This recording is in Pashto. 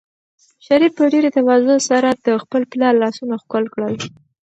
شریف په ډېرې تواضع سره د خپل پلار لاسونه ښکل کړل.